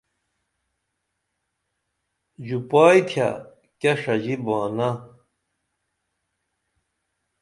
ژُپائی تھیہ کیہ ݜژی بہانہ